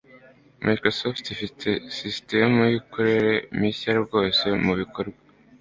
microsoft ifite sisitemu y'imikorere mishya rwose mubikorwa